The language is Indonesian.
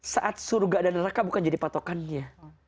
saat surga dan neraka bukan jadi patokannya